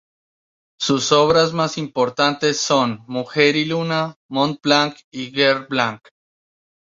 Sus obras más importantes son "Mujer y luna", "Montblanch" y "Guer-Blanc".